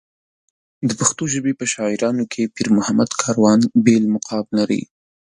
د پښتو ژبې په شاعرانو کې پېرمحمد کاروان بېل مقام لري.